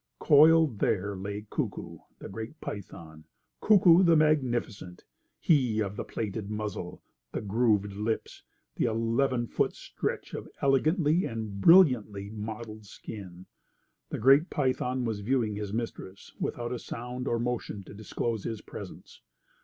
Coiled there lay Kuku, the great python; Kuku, the magnificent, he of the plated muzzle, the grooved lips, the eleven foot stretch of elegantly and brilliantly mottled skin. The great python was viewing his mistress without a sound or motion to disclose his presence.